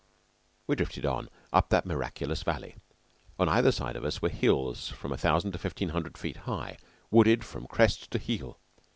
We drifted on, up that miraculous valley. On either side of us were hills from a thousand or fifteen hundred feet high, wooded from crest to heel.